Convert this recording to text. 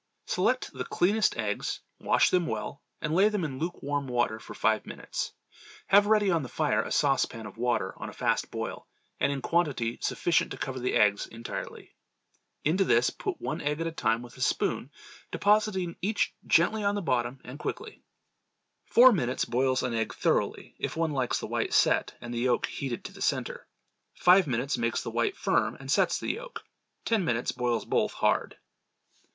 Select the cleanest eggs, wash them well, and lay them in lukewarm water for five minutes. Have ready on the fire a saucepan of water on a fast boil, and in quantity sufficient to cover the eggs entirely. Into this put one egg at a time with a spoon, depositing each gently on the bottom, and quickly. Four minutes boils an egg thoroughly, if one likes the white set and the yolk heated to the centre. Five minutes makes the white firm and sets the yolk. Ten minutes boils both hard.